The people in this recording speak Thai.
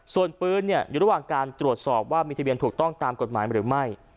ส่วนปืนอยู่ระหว่างการตรวจสอบว่ามีทะเบียนถูกต้องตามกฎหมายหรือไม่